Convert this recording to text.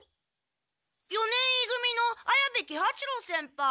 四年い組の綾部喜八郎先輩。